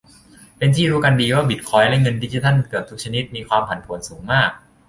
เป็นที่รู้กันดีว่าบิตคอยน์และเงินดิจิทัลเกือบทุกชนิดมีความผันผวนสูงมาก